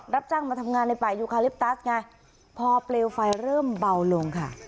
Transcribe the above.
รับจ้างมาทำงานในป่ายูคาลิปตัสไงพอเปลวไฟเริ่มเบาลงค่ะ